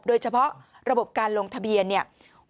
โดยเฉพาะระบบการลงทะเบียนเนี่ย